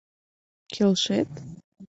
Келшет?